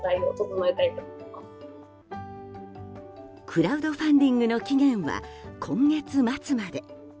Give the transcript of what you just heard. クラウドファンディングの期限は、今月末まで。